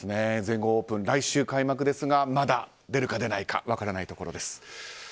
全豪オープン、来週開幕ですがまだ出るか出ないか分からないところです。